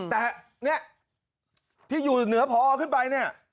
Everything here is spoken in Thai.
แต่ที่อยู่เหนือผอขึ้นไป